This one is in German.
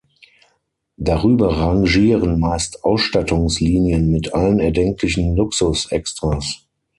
Darüber rangieren meist Ausstattungslinien mit allen erdenklichen Luxus-Extras.